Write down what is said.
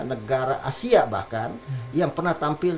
negara asia bahkan yang pernah tampil